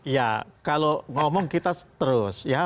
ya kalau ngomong kita terus ya